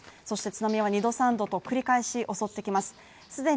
そして津波は２度３度と繰り返し襲ってきます。